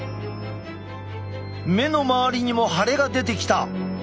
目の周りにも腫れが出てきた。